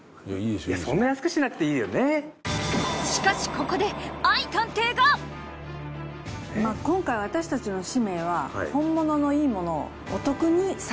しかしここで今回私たちの使命は。